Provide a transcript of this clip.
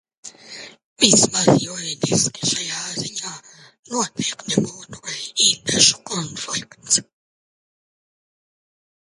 Vismaz juridiski šajā ziņā noteikti būtu interešu konflikts.